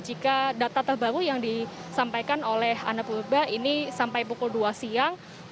jika data terbaru yang disampaikan oleh anak purba ini sampai pukul dua siang